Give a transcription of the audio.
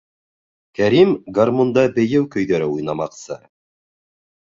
Кәрим гармунда бейеү көйҙәре уйнамаҡсы.